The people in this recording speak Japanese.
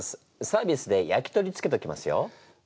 サービスで焼き鳥つけときますよ。